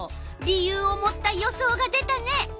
理由を持った予想が出たね。